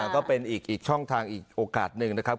ก็เป็นอีกช่องทางอีกโอกาสหนึ่งนะครับ